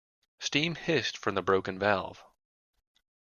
Steam hissed from the broken valve.